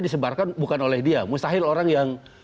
disebarkan bukan oleh dia mustahil orang yang